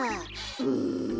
うん。